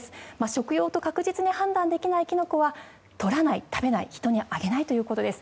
食用と確実に判断できないキノコは採らない、食べない人にあげないということです。